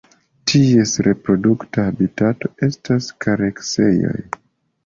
Ties reprodukta habitato estas kareksejoj.